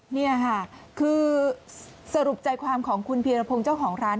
นี่ค่ะคือสรุปใจความของคุณพีรพงศ์เจ้าของร้าน